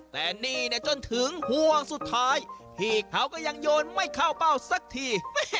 แต่นี่จนถึงห่วงสุดท้ายพี่เขาก็ยังโยนไม่เข้าเป้าสักที